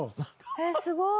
えっすごい。